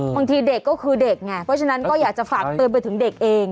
บางทีเด็กก็คือเด็กไงเพราะฉะนั้นก็อยากจะฝากเตือนไปถึงเด็กเอง